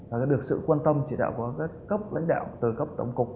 và được sự quan tâm chỉ đạo của các cấp lãnh đạo từ cấp tổng cục